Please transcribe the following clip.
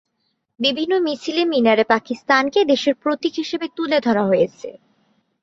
বিভিন্ন মিছিলে মিনারে পাকিস্তানকে দেশের প্রতীক হিসেবে তুলে ধরা হয়েছে।